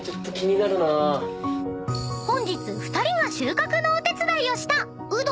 ［本日２人が収穫のお手伝いをした］